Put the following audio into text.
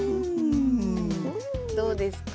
どうですか？